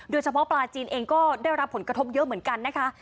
โดยเฉพาะปลาจีนเองก็ได้รับผลกระทบเยอะเหมือนกันนะคะ